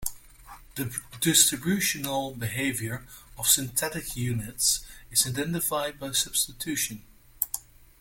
The distributional behavior of syntactic units is identified by substitution.